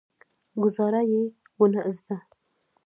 ګوزارا یې نه وه زده.